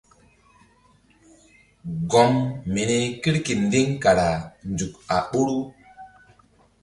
Gɔm mini kirkindiŋ kara nzuk a ɓoru.